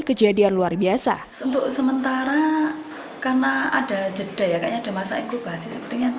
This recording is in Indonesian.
kejadian luar biasa untuk sementara karena ada jeda ya kayaknya ada masa inkubasi sepertinya